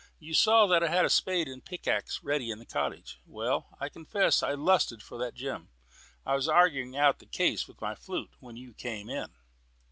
You saw that I had the spade and pickaxe ready in the cottage. Well, I confess I lusted for that gem. I was arguing out the case with my flute when you came in."